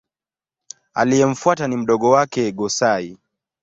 Aliyemfuata ni mdogo wake Go-Sai.